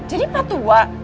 jadi pak tua